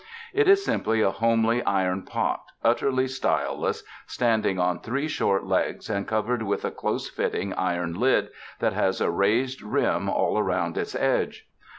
It is simply a homely iron pot, ut terly styleless, standing on three short legs, and covered with a close fitting iron lid that has a raised rim all around its edge.